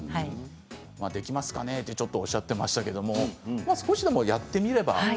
できますかねとおっしゃっていましたが少しでもやってみれば。